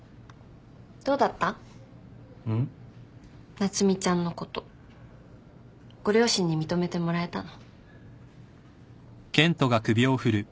夏海ちゃんのことご両親に認めてもらえたの？